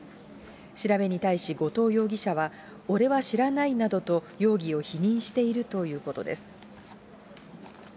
調べに対し後藤容疑者は、俺は知らないなどと、容疑を否認しているということです。